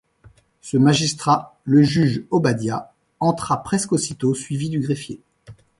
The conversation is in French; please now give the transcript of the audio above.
Ce magistrat, le juge Obadiah, entra presque aussitôt, suivi du greffier.